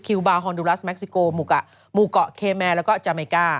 คิวบาร์ฮอนดูลัสเม็กซิโกหมู่เกาะเคแมนและจาไมก้า